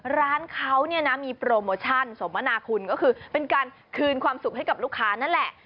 ร้านเขาเนี่ยนะมีโปรโมชั่นสมนาคุณก็คือเป็นการคืนความสุขให้กับลูกค้านั่นแหละ